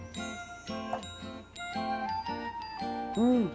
うん！